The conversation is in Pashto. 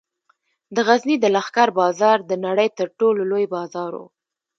د غزني د لښکر بازار د نړۍ تر ټولو لوی بازار و